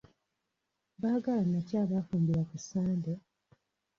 Baagalana ki abaafumbirwa ku Sande?